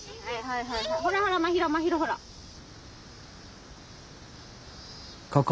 はいはいはい。